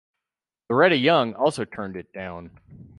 Loretta Young also turned it down.